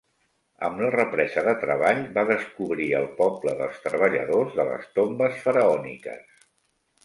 Amb la represa de treball, va descobrir el poble dels treballadors de les tombes faraòniques.